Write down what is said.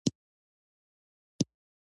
له سوډرسره ژوند نه کېږي.